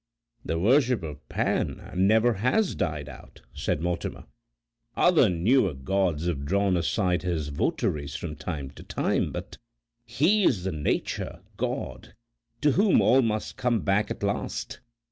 "The worship of Pan never has died out," said Mortimer. "Other newer gods have drawn aside his votaries from time to time, but he is the Nature God to whom all must come back at last.